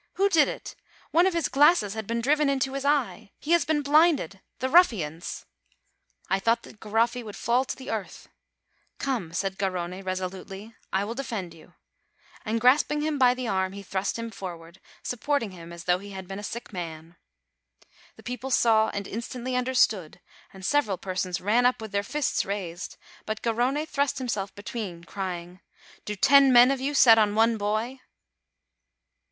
Who did it? One of his glasses had been driven into his eye! He has been blinded! The ruffians!" I thought that Garoffi would fall to the earth. "Come," said Garrone, resolutely, "I will defend you;" and grasping him by the arm, he thrust him forward, 66 DECEMBER supporting him as though he had been a sick man. The people saw, and instantly understood, and several per sons ran up with their fists raised; but Garrone thrust himself between, crying: "Do ten men of you set on one boy?"